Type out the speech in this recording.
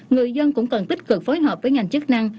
người dân cũng cần tích cực phối hợp với ngành chức năng